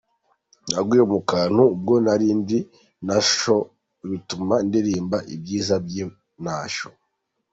Naguye mu kantu ubwo nari ndi Nasho bituma ndirimba ibyiza by’i Nasho.